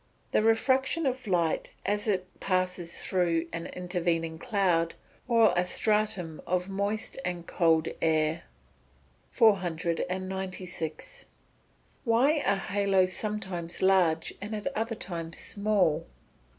_ The refraction of light as it passes through an intervening cloud, or a stratum of moist and cold air. 496. _Why are haloes sometimes large and at other times small?